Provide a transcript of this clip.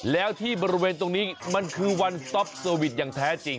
แล้วที่บริเวณตรงนี้มันคือวันต๊อปเซอร์วิสอย่างแท้จริง